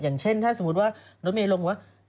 อย่างเช่นถ้าสมมุติว่ารถเมย์ลงบอกว่า